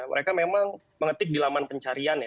mereka memang mengetik di laman pencarian ya